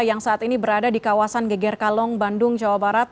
yang saat ini berada di kawasan geger kalong bandung jawa barat